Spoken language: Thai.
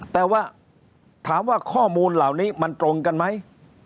แต่ว่าถามว่าข้อมูลเหล่านี้มันตรงกันไหม